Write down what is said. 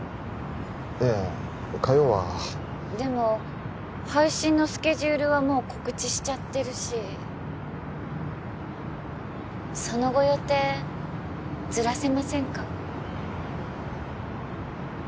ええ火曜はでも配信のスケジュールはもう告知しちゃってるしそのご予定ずらせませんか？